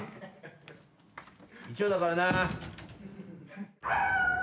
一応だからな。